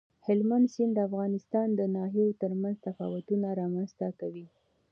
هلمند سیند د افغانستان د ناحیو ترمنځ تفاوتونه رامنځ ته کوي.